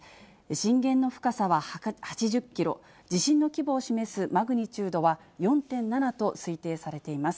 震源の深さは８０キロ、地震の規模を示すマグニチュードは４．７と推定されています。